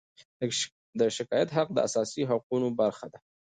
د شکایت حق د اساسي حقونو برخه ده.